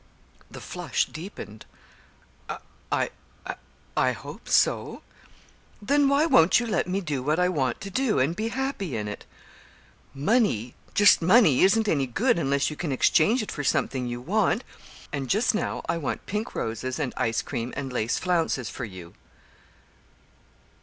The flush deepened. "I I hope so." "Then why won't you let me do what I want to, and be happy in it? Money, just money, isn't any good unless you can exchange it for something you want. And just now I want pink roses and ice cream and lace flounces for you.